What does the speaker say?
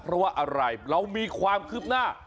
เพราะว่าอะไรเรามีความคืบหน้า